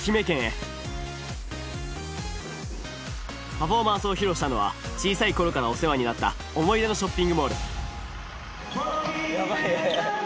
パフォーマンスを披露したのは小さい頃からお世話になった思い出のショッピングモール。